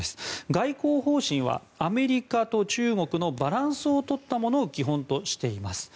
外交方針はアメリカと中国のバランスを取ったものを基本としています。